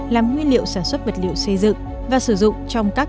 làm nguyên liệu sản xuất vật liệu xây dựng và sử dụng trong các